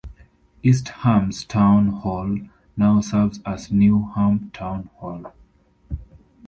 East Ham's Town Hall now serves as Newham Town Hall.